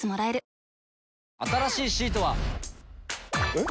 えっ？